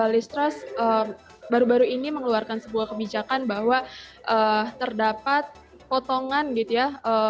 listrust baru baru ini mengeluarkan sebuah kebijakan bahwa terdapat potongan gitu ya